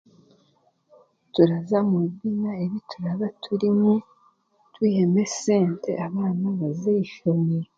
Turaza mu bibiina ebi turaba turimu twihemu esente abaana baze ahaishomero